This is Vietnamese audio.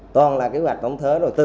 toàn là quy hoạch công thớ nổi từ